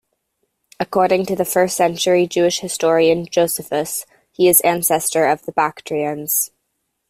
According to the first-century Jewish historian Josephus, he is ancestor of the Bactrians.